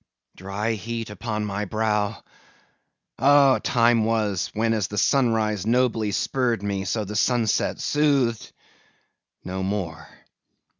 Dry heat upon my brow? Oh! time was, when as the sunrise nobly spurred me, so the sunset soothed. No more.